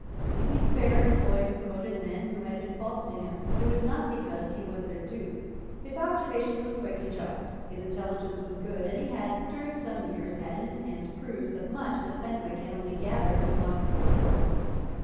If he spared, employed and promoted men who had been false to him, it was not because he was their dupe. His observation was quick and just; his intelligence was good; and he had, during some years, had in his hands proofs of much that Fenwick had only gathered from wandering reports.